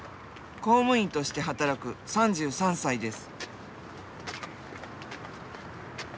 公務員として働く３３歳です。